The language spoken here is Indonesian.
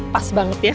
pas banget ya